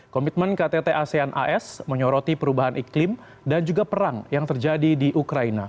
komitmen ktt asean as menyoroti perubahan iklim dan juga perang yang terjadi di ukraina